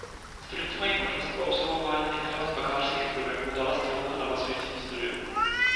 Studenti mají možnost po absolvování některého z bakalářských programů dále studovat na navazujícím studiu.